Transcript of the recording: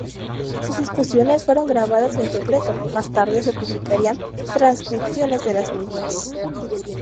Sus discusiones fueron grabadas en secreto; más tarde se publicarían transcripciones de las mismas.